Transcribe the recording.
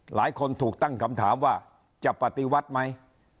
หลายคนถูกตั้งคำถามว่าจะปฏิวัติไหม